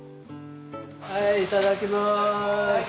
はいいただきます。